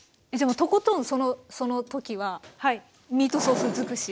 もうとことんその時はミートソース尽くし。